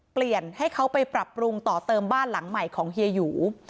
เปลี่ยนให้เขาไปปรับปรุงต่อเติมบ้านหลังใหม่ของเฮียหยู